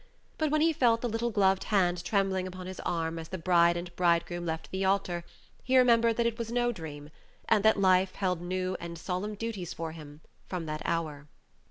But when he felt the little gloved hand trembling upon his arm as the bride and bridegroom left the altar he remembered that it was no dream, and that life held new and solemn duties for him from that hour.